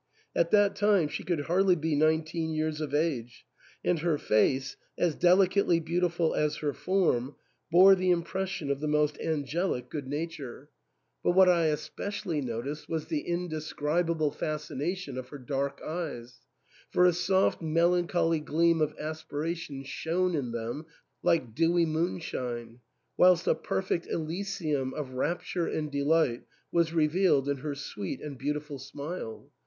At that time she could hardly be nineteen years of age, and her face, as delicately beautiful as her form, bore the impression of the most angelic good nature ; but THE ENTAIL. 237 what I especially noticed was the indescribable fascina tion of her dark eyes, for a soft melancholy gleam of aspiration shone in them like dewy moonshine, whilst a perfect elysium of rapture and delight was revealed in her sweet and beautiful smile.